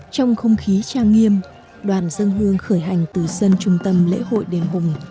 trong không khí trang nghiêm đoàn dân hương khởi hành từ sân trung tâm lễ hội đền hùng